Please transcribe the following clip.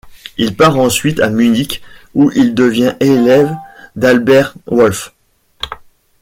Il part ensuite à Munich où il devient élève d'Albert Wolff.